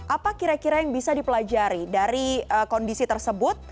apa kira kira yang bisa dipelajari dari kondisi tersebut